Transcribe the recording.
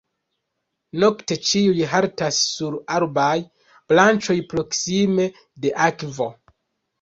Nokte ĉiuj haltas sur arbaj branĉoj proksime de akvo.